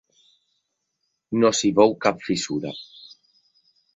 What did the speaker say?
No s’hi veu cap fissura.